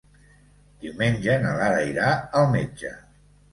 Diumenge na Lara irà al metge.